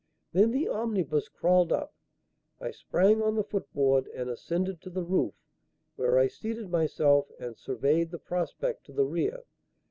Then the omnibus crawled up. I sprang on the foot board and ascended to the roof, where I seated myself and surveyed the prospect to the rear.